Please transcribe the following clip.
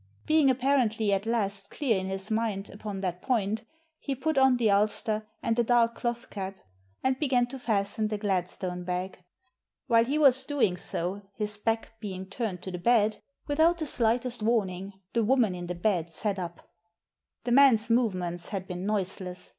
Being apparently at last clear in his mind Digitized by VjOOQIC 288 THE SEEN AND THE UNSEEN upon that point, he put on the ulster and a dark cloth cap, and began to fasten the Gladstone bag. While he was doing so, his back being turned to the bed, without the slighest warning, the woman in the bed sat up. The man's movements had been noiseless.